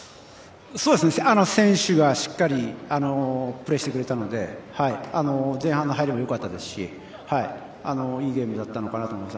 選手がしっかりプレーしてくれたので、前半の入りもよかったですし、いいゲームだったのかなと思います。